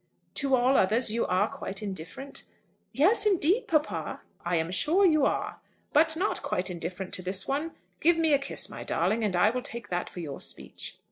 "To all others you are quite indifferent?" "Yes, indeed, papa." "I am sure you are. But not quite indifferent to this one? Give me a kiss, my darling, and I will take that for your speech."